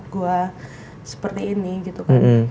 gua seperti ini gitu kan